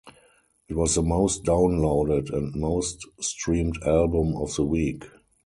It was the most downloaded and most streamed album of the week.